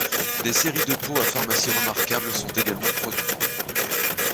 Des séries de pots à pharmacie remarquables sont également produits.